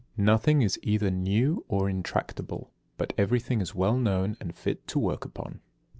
Nothing is either new or intractable, but everything is well known and fit to work upon."